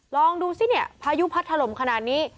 ลองดูซิเนี่ยพายุพัดถล่มขนาดนี้